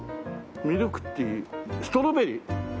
ミルクティーストロベリー。